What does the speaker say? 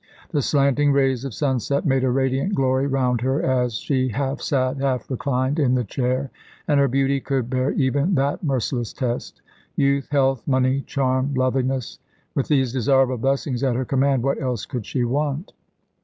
The slanting rays of sunset made a radiant glory round her as she half sat, half reclined in the chair, and her beauty could bear even that merciless test. Youth, health, money, charm, loveliness with these desirable blessings at her command, what else could she want?